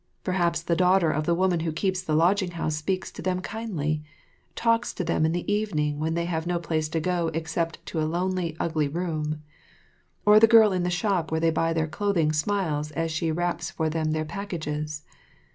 Perhaps the daughter of the woman who keeps the lodging house speaks to them kindly, talks to them in the evening when they have no place to go except to a lonely, ugly room; or the girl in the shop where they buy their clothing smiles as she wraps for them their packages.